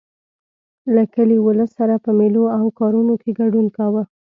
له کلي ولس سره په مېلو او کارونو کې ګډون کاوه.